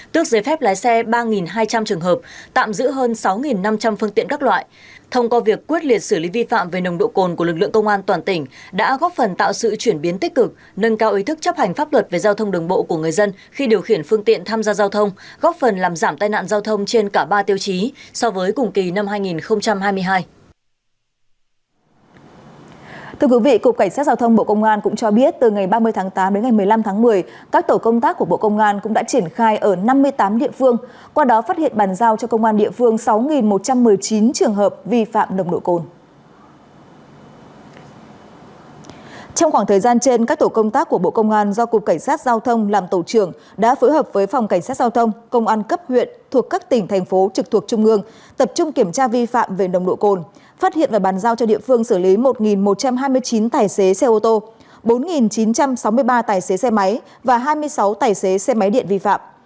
trên các tổ công tác của bộ công an do cục cảnh sát giao thông làm tổ trưởng đã phối hợp với phòng cảnh sát giao thông công an cấp huyện thuộc các tỉnh thành phố trực thuộc trung ương tập trung kiểm tra vi phạm về nồng độ cồn phát hiện và bàn giao cho địa phương xử lý một một trăm hai mươi chín tài xế xe ô tô bốn chín trăm sáu mươi ba tài xế xe máy và hai mươi sáu tài xế xe máy điện vi phạm